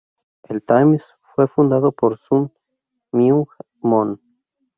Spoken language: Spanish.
El "Times" fue fundado por Sun Myung Moon.